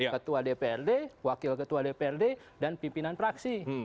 ketua dprd wakil ketua dprd dan pimpinan praksi